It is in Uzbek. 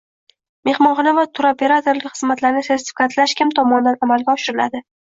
Mehmonxona va turoperatorlik xizmatlarini sertifikatlash kim tomonidan amalga oshiriladi?